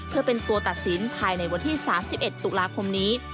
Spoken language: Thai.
เพื่อเป็นตัวตัดสินภายในวันที่๓๑ตุลาคมนี้